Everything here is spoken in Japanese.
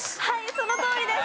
そのとおりです。